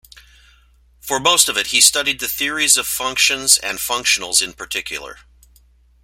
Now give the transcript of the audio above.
For most of it he studied the theories of functions and functionals in particular.